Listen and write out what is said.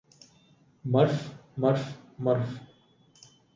മര്ഫ് മര്ഫ് മര്ഫ്